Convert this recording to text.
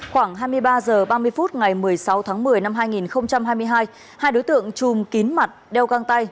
khoảng hai mươi ba h ba mươi phút ngày một mươi sáu tháng một mươi năm hai nghìn hai mươi hai hai đối tượng chùm kín mặt đeo găng tay